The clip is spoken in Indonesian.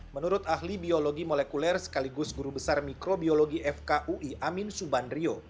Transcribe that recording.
menurut ahli biologi molekuler sekaligus guru besar mikrobiologi fkui amin subandrio